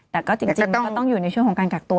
แต่ก็จริงก็ต้องอยู่ในช่วงของการกักตัว